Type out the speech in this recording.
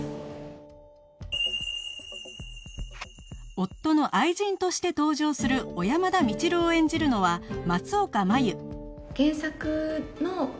夫の愛人として登場する小山田みちるを演じるのは松岡茉優